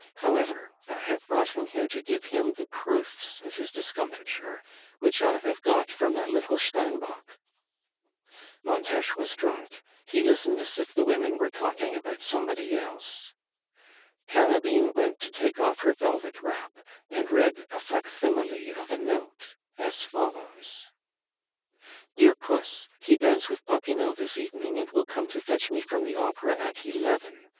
However, I have brought him here to give him the proofs of his discomfiture, which I have got from that little Steinbock." Montes was drunk; he listened as if the women were talking about somebody else. Carabine went to take off her velvet wrap, and read a facsimile of a note, as follows: "DEAR PUSS. He dines with Popinot this evening, and will come to fetch me from the Opera at eleven.